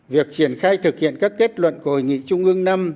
việc triển khai thực hiện các kết luận của hội nghị trung ương năm